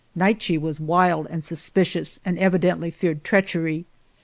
"... Naiche was wild and suspi cious and evidently feared treachery.